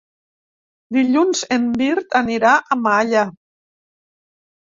Dilluns en Mirt anirà a Malla.